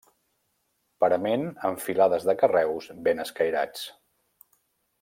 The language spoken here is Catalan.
Parament amb filades de carreus ben escairats.